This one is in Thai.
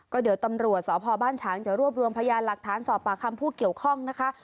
ก็เดี๋ยวตำรวจสพบ้านฉางจะรวบรวมพยานหลักฐานสอบปากคำผู้เกี่ยวข้องนะคะ